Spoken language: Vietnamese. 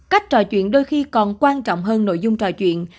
cách trò chuyện đôi khi còn quan trọng hơn nội dung trò chuyện